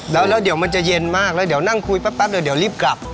แล้วเดี๋ยวมันจะเย็นมากแล้วเดี๋ยวนั่งคุยแป๊บเดี๋ยวรีบกลับ